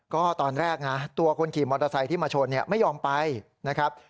ก็ตอนแรกนะตัวคนขี่มอเตอร์ไซค์ที่มาชนไม่ยอมไปนะครับ